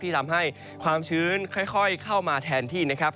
ทำให้ความชื้นค่อยเข้ามาแทนที่นะครับ